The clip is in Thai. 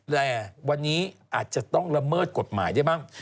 แต่วันนี้อาจจะต้องละเมิดกฎหมายได้บ้าง